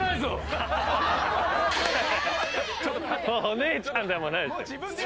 お姉ちゃんでもないし。